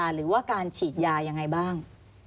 หรือว่าการฉีดยายังไงบ้าง